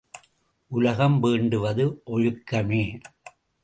உலகம் வேண்டுவது ஒழுக்கமே!